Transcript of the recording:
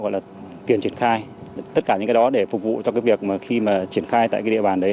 gọi là tiền triển khai tất cả những cái đó để phục vụ cho cái việc mà khi mà triển khai tại cái địa bàn đấy